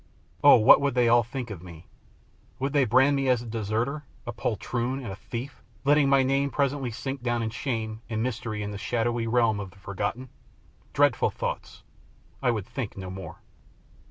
Oh! what would they all think of me? Would they brand me as a deserter, a poltroon, and a thief, letting my name presently sink down in shame and mystery in the shadowy realm of the forgotten? Dreadful thoughts! I would think no more.